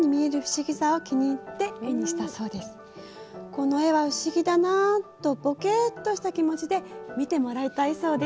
この絵は不思議だなぁとぼけっとした気持ちで見てもらいたいそうです。